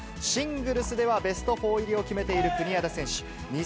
シングルスではベスト４入りを決めている国枝選手。